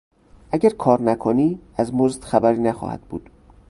اگر کارنکنی از مزد خبری نخواهد بود!